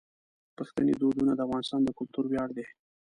پښتني دودونه د افغانستان د کلتور ویاړ دي.